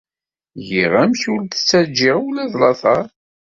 Giɣ amek ur d-ttaǧǧiɣ ula d lateṛ.